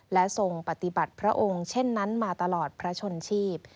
และทรงปฏิบัติพระองค์เช่นนั้นมาตลอดพระชนชีพ